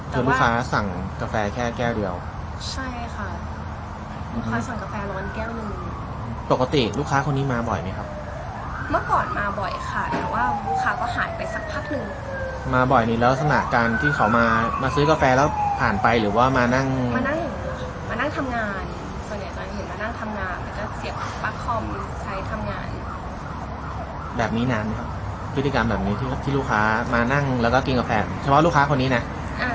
คือลูกค้าสั่งกาแฟแค่แก้วเดียวใช่ค่ะลูกค้าสั่งกาแฟร้อนแก้วหนึ่งปกติลูกค้าคนนี้มาบ่อยไหมครับเมื่อก่อนมาบ่อยค่ะแต่ว่าลูกค้าก็หายไปสักพักหนึ่งมาบ่อยมีลักษณะการที่เขามามาซื้อกาแฟแล้วผ่านไปหรือว่ามานั่งมานั่งมานั่งทำงานส่วนใหญ่ตอนนี้มานั่งทำงานก็จะเสียบปลั๊กคอมใช้ทำงานแบบนี้นาน